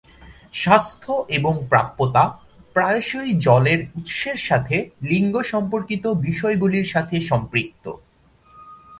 স্বাস্থ্য এবং প্রাপ্যতা প্রায়শই জলের উৎসের সাথে লিঙ্গ সম্পর্কিত বিষয়গুলির সাথে সম্পৃক্ত।